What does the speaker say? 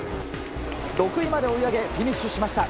６位まで追い上げフィニッシュしました。